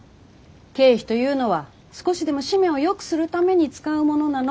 経費というのは少しでも誌面をよくするために使うものなの。